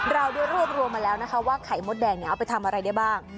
เราได้รวบรวมมาแล้วนะคะว่าไข่มดแดงเนี่ยเอาไปทำอะไรได้บ้าง